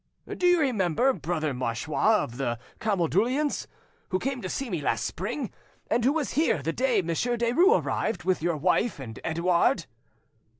"Do you remember Brother Marchois of the Camaldulians, who came to see me last spring, and who was here the day Monsieur Derues arrived, with your wife and Edouard?"